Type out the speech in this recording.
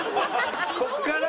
ここから？